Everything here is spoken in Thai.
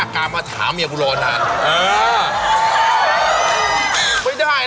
ก็ไหนน่ะเนี่ย